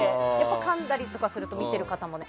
かんだりとかすると見てる方もん？